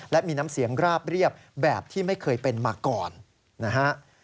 และมีน้ำเสียงราบเรียบแบบที่ไม่เคยเป็นมาก่อนนะฮะ